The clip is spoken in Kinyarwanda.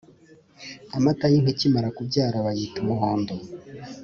Amata y’Inka ikimara kubyara bayita umuhondo